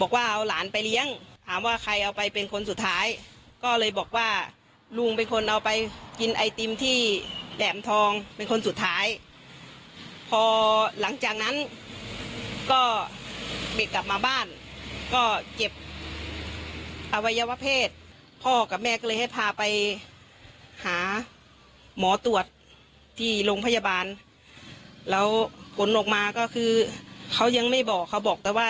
บอกว่าเอาหลานไปเลี้ยงถามว่าใครเอาไปเป็นคนสุดท้ายก็เลยบอกว่าลุงเป็นคนเอาไปกินไอติมที่แหลมทองเป็นคนสุดท้ายพอหลังจากนั้นก็เด็กกลับมาบ้านก็เก็บอวัยวะเพศพ่อกับแม่ก็เลยให้พาไปหาหมอตรวจที่โรงพยาบาลแล้วผลออกมาก็คือเขายังไม่บอกเขาบอกแต่ว่า